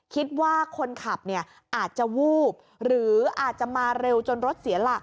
คิดว่าคนขับเนี่ยอาจจะวูบหรืออาจจะมาเร็วจนรถเสียหลัก